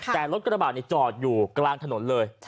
แต่รถกระบาดนี้จอดอยู่กลางถนนเลย